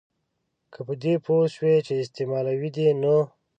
که په دې پوه سوې چي استعمالوي دي نو